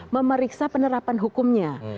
memeriksa penerapan hukumnya